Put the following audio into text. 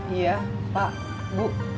iya pak bu